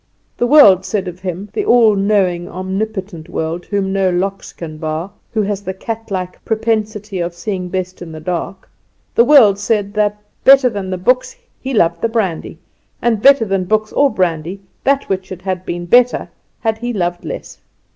The world said of him the all knowing, omnipotent world, whom no locks can bar, who has the cat like propensity of seeing best in the dark the world said, that better than the books he loved the brandy, and better than books or brandy that which it had been better had he loved less.